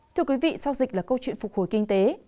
thưa quý vị sau dịch là câu chuyện phục hồi kinh tế